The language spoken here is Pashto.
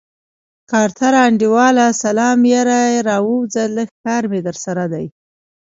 کارتره انډيواله سلام يره راووځه لږ کار مې درسره دی.